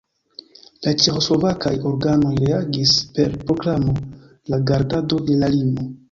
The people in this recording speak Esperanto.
La ĉeĥoslovakaj organoj reagis per proklamo de gardado de la limo.